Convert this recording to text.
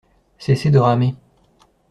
Cessez de ramer.